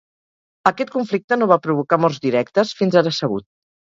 Aquest conflicte no va provocar morts directes, fins ara sabut.